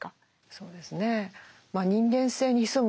そうですね。